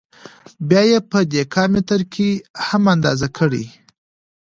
بیا یې په دېکا متره کې هم اندازه کړئ.